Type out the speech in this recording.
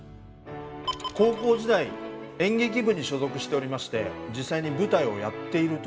高校時代演劇部に所属しておりまして実際に舞台をやっている時の写真です。